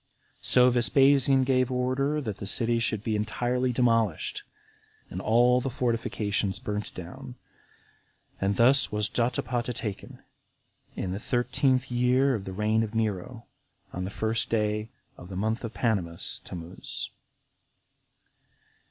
So Vespasian gave order that the city should be entirely demolished, and all the fortifications burnt down. And thus was Jotapata taken, in the thirteenth year of the reign of Nero, on the first day of the month Panemus [Tamuz].